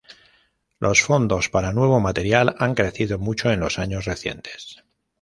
Los fondos para nuevo material han crecido mucho en los años recientes.